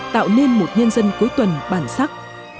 tạo nên một nhân dân cuối tuần bản sắc